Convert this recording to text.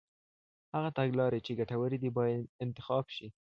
هغه تګلاري چي ګټورې دي، بايد انتخاب سي.